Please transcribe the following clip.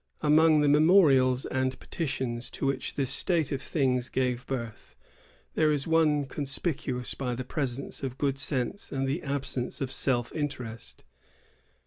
Among the memorials and petitions to which this state of things gave birth, there is one conspicuous by the presence of good sense and the absence of self interest.